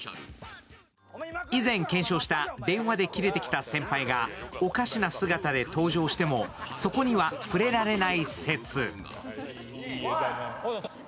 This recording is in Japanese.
以前検証した電話でキレてきた先輩がおかしな姿で登場してもそこには触れられない説。